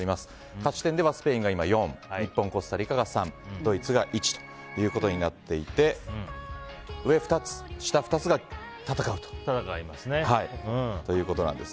勝ち点ではスペインが４日本、コスタリカが３ドイツが１となっていて上２つ、下２つが戦うということなんです。